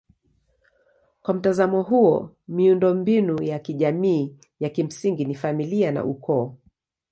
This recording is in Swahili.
Kwa mtazamo huo miundombinu ya kijamii ya kimsingi ni familia na ukoo.